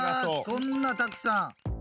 こんなたくさん。